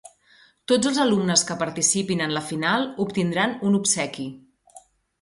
Tots els alumnes que participin en la final obtindran un obsequi.